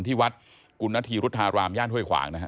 ที่วัดกุณฑีรุธารามญาติเฮ่ยขวาง